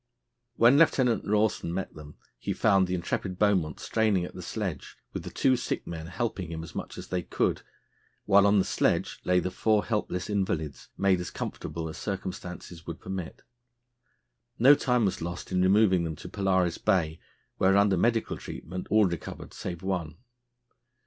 When Lieutenant Rawson met them, he found the intrepid Beaumont straining at the sledge, with the two sick men helping him as much as they could, while on the sledge lay the four helpless invalids, made as comfortable as circumstances would permit. No time was lost in removing them to Polaris Bay, where, under medical treatment, all recovered save one.